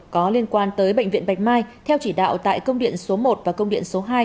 có liên quan tới bệnh viện bạch mai theo chỉ đạo tại công điện số một và công điện số hai